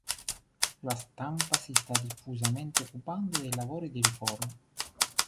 La stampa si sta diffusamente occupando dei lavori di riforma.